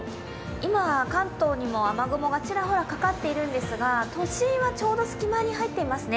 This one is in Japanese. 今、関東にも雨雲がちらほらかかっているんですが都心はちょうど隙間に入っていますね。